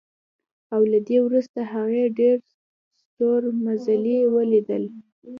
او له دې وروسته هغې ډېر ستورمزلي ولیدل